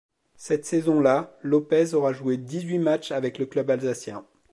Cette saison là, Lopez aura joué dix-huit match avec le club alsacien.